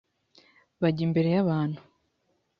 bajya imbere y abantu